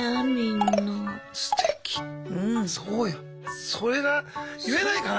そうよ。それが言えないかな！